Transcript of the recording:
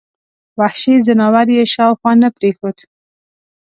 وحشي ځناور یې شاوخوا نه پرېښود.